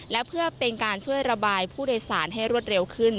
และเพื่อเป็นการช่วยระบายผู้โดยสารให้รวดเร็วขึ้น